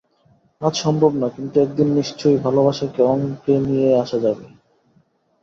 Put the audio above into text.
আজ সম্ভব না, কিন্তু একদিন নিশ্চয়ই ভালবাসাকে অঙ্কে নিয়ে আসা যাবে।